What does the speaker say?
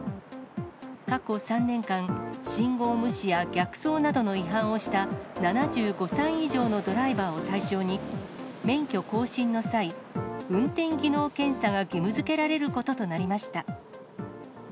過去３年間、信号無視や逆走などの違反をした７５歳以上のドライバーを対象に、免許更新の際、運転技能検査が義務づけられることとなりました。